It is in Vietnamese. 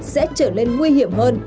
sẽ trở lên nguy hiểm hơn